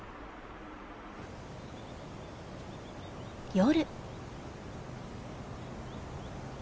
夜。